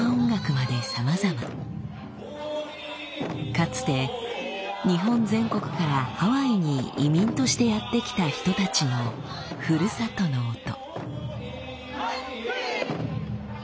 かつて日本全国からハワイに移民としてやって来た人たちのふるさとの音。